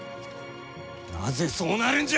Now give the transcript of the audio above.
なぜそうなるんじゃ！